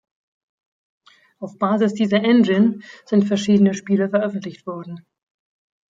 Auf Basis dieser Engine sind verschiedene Spiele veröffentlicht worden.